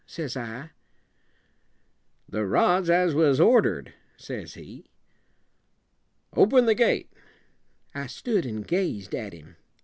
says I. "The rods as was order ed," says he. "Open the gate." I stood and gazed at him.